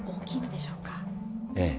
ええ。